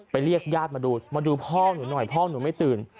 เรียกญาติมาดูมาดูพ่อหนูหน่อยพ่อหนูไม่ตื่น